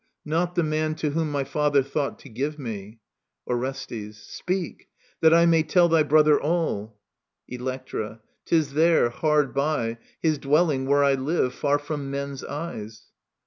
Not the man to whom My father thought to give me. Orsstss. Speak; that I May tell thy brother all. Electra. *Tis there, hard by. His dwelling, where I live, far from men's eyes.